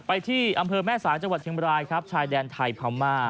ที่อำเภอแม่สายจังหวัดเชียงบรายครับชายแดนไทยพม่า